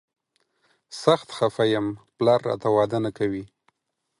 سخت خفه یم، پلار راته واده نه کوي.